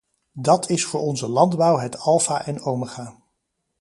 Dat is voor onze landbouw het alfa en omega.